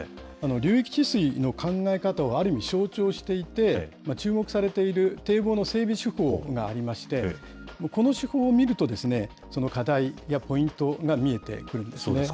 流域治水の考え方をある意味象徴していて、注目されている堤防の整備手法がありまして、この手法を見ると、その課題やポイントが見えてくるんですね。